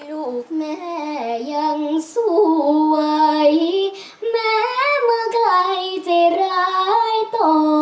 ลูกแม่ยังสู้ไหวแม้เมื่อใครใจร้ายต่อ